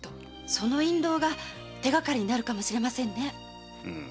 その印籠が手がかりになるかもしれませんね。